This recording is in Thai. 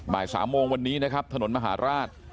บ่าย๓โมงวันนี้นะครับถนนมหาราช